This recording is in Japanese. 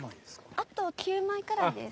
あと９枚くらいです。